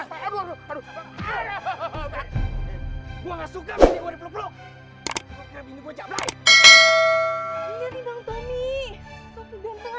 gue nggak suka berdua peluk peluk